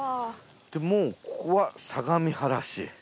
もうここは相模原市。